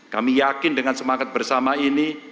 kami yakin dengan semangat bersama ini